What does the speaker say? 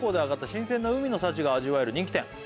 「新鮮な海の幸が味わえる人気店」